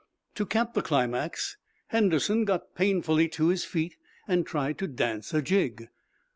To cap the climax Henderson got painfully to his feet and tried to dance a jig.